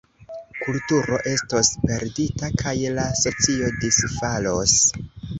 Kulturo estos perdita, kaj la socio disfalos.